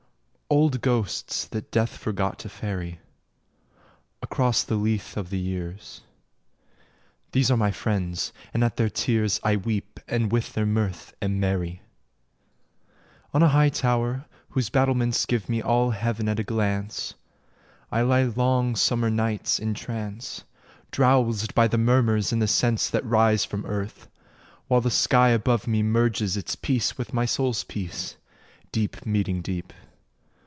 Old ghosts that death forgot to ferry Across the Lethe of the years These are my friends, and at their tears I weep and with their mirth am merry. On a high tower, whose battlements Give me all heaven at a glance, I lie long summer nights in trance, Drowsed by the murmurs and the scents That rise from earth, while the sky above me Merges its peace with my soul's peace, Deep meeting deep.